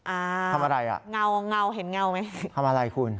อ่าทำอะไรอ่ะเงาเงาเห็นเงาไหมทำอะไรคุณ